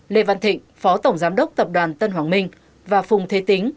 lê văn thịnh phó tổng giám đốc tập đoàn tân hoàng minh và phùng thế tính